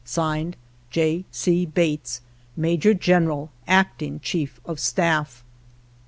(Signed) J. C. Bates, Major General, Acting Chief of Staff.